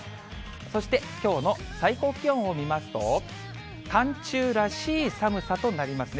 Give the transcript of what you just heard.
そして、きょうの最高気温を見ますと、寒中らしい寒さとなりますね。